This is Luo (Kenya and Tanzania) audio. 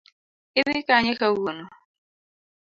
Idhi Kanye kawuono?